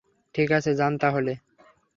ঠিক আছে, যান তাহলে।